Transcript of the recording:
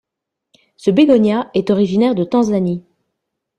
Ce bégonia est originaire de Tanzanie.